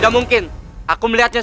aku akan menang